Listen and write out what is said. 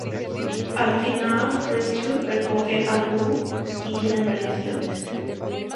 Al final Christer recoge a Lou y tienen relaciones.